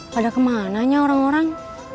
pada kemananya orang orang